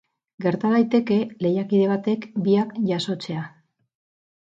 Gerta daiteke lehiakide batek biak jasotzea.